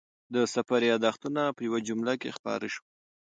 د سفر یادښتونه په یوه مجله کې خپاره شول.